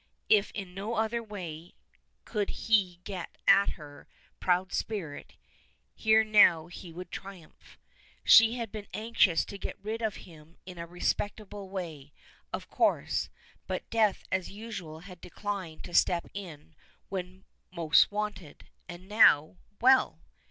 If in no other way could he get at her proud spirit, here now he would triumph. She had been anxious to get rid of him in a respectable way, of course, but death as usual had declined to step in when most wanted, and now, well!